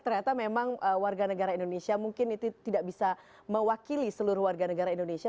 ternyata memang warga negara indonesia mungkin itu tidak bisa mewakili seluruh warga negara indonesia